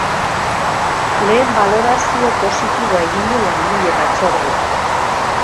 Lehen balorazio positiboa egin du langile batzordeak.